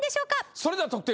それでは得点を。